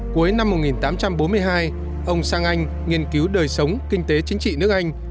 cuối năm một nghìn tám trăm bốn mươi hai ông sang anh nghiên cứu đời sống kinh tế chính trị nước anh